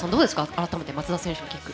改めて、松田選手のキック。